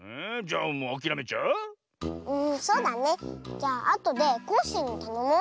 じゃあとでコッシーにたのもう。